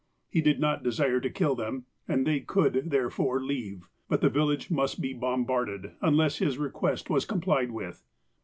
He did not desire to kill them, and they could, therefore, leave ; but the village must be bombarded, unless his request was complied with.